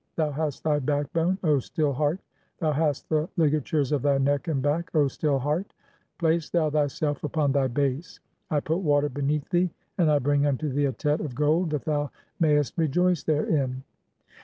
[Thou hast thy backbone, O Still "Heart, thou hast the ligatures of thy neck and back, O Still "Heart]. 1 Place thou thyself upon thy base. I put water beneath "thee, and I bring unto thee a Tet of gold that thou mayest "rejoice therein."